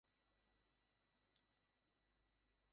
রাতবিরাতে শ্মশানে গিয়ে বসে থাকি।